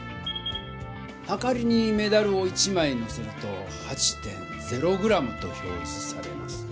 はかりにメダルを１枚のせると８．０ｇと表じされます。